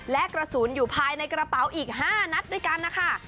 และกระสุนอยู่ภายในกระเป๋าอีก๕นัดด้วยกันนะคะ